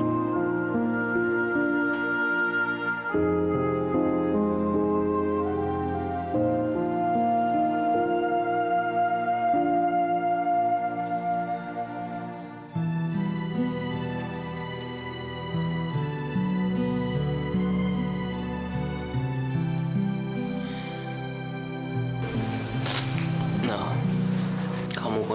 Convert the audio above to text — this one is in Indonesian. tidurkan terlalu berat